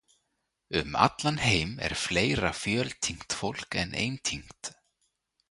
Um allan heim er fleira fjöltyngt fólk en eintyngt.